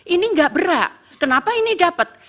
ini gak berhak kenapa ini dapat